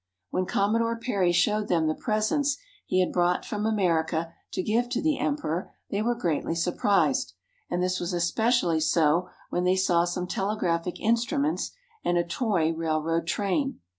When Commodore Perry showed them the presents he 34 JAPAN had brought from America to give to the Emperor, they were greatly surprised ; and this was especially so when they saw some telegraphic instruments, and a toy railroad train.